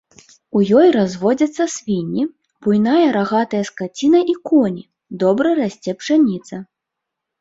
У ёй разводзяцца свінні, буйная рагатая скаціна і коні, добра расце пшаніца.